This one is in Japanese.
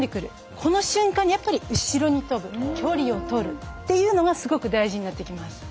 この瞬間に後ろに飛ぶ距離を取るというのがすごく大事になってきます。